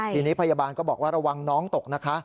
ทีนี้พยาบาลก็บอกว่าระวังน้องตกนะคะ